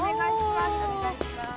お願いします